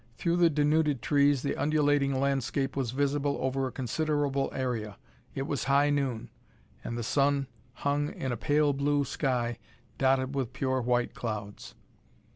Through the denuded trees the undulating landscape was visible over a considerable area. It was high noon, and the sun hung in a pale blue sky dotted with pure white clouds.